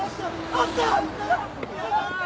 あった。